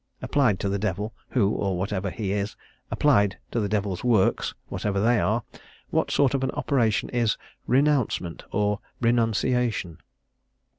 Applied to the Devil, who or whatever he is applied to the Devil's works, whatever they are what sort of an operation is _renouncement or renunciation?